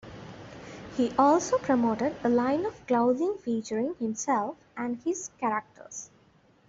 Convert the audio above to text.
He also promoted a line of clothing featuring himself and his characters.